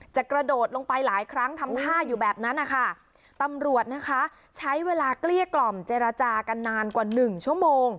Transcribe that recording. กระโดดลงไปหลายครั้งทำท่าอยู่แบบนั้นนะคะตำรวจนะคะใช้เวลาเกลี้ยกล่อมเจรจากันนานกว่าหนึ่งชั่วโมง